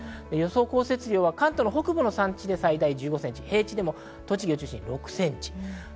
予想降雪量は関東北部の山地で最大１５センチ、平地でも栃木を中心に６センチ。